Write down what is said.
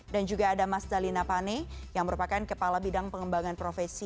dan juga ada mas dalina pane yang merupakan kepala bidang pengembangan profesi